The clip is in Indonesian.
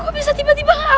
kok bisa tiba tiba gak ada